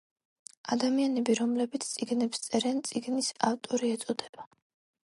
ადამიანები რომლებიც წიგნებს წერენ წიგნის ავტორი ეწოდება